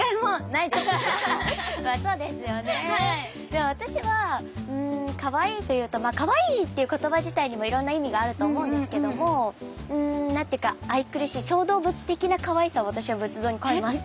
でも私はかわいいというとかわいいっていう言葉自体にもいろんな意味があると思うんですけども何て言うか愛くるしい小動物的なかわいさを私は仏像に感じます。